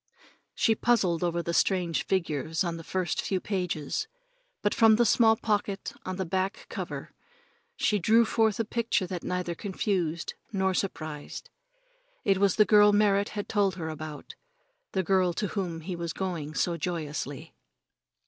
She puzzled over the strange figures on the first few pages, but from the small pocket on the back cover she drew forth a picture that neither confused nor surprised. It was the girl Merrit had told her about the girl to whom he was going so joyously.